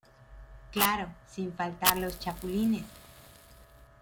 Claro sin faltar los chapulines.